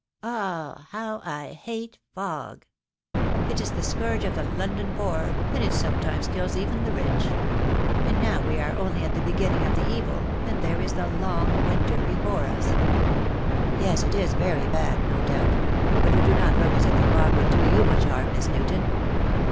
Ah, how I hate fog. It is the scourge of the London poor, and it THE DAY WILL COME. 253 sometimes kills even the rich. And now we are only at the beginning of the evil, and there is the long winter before us." "Yes, it is very bad, no doubt; but you do not look as if the fog could do you much harm, Miss Newton."